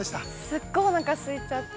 ◆すごいおなかすいちゃって。